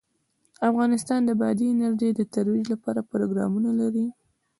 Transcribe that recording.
افغانستان د بادي انرژي د ترویج لپاره پروګرامونه لري.